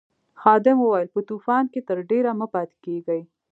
خادم وویل په طوفان کې تر ډېره مه پاتې کیږئ.